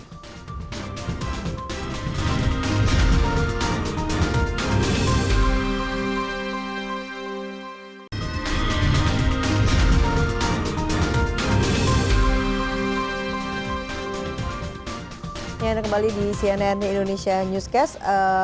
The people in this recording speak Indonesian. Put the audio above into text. kami kembali di cnn indonesia newscast